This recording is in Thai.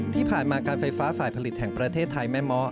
ที่ผ่านมาการไฟฟ้าฝ่ายผลิตแห่งประเทศไทยแม่เมาะ